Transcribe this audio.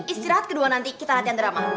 istirahat kedua nanti kita latihan drama